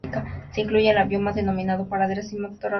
Se incluye en el bioma denominado praderas y matorrales de montaña.